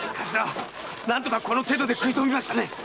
何とかこの程度でくい止めましたね。